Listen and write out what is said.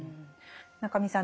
中見さん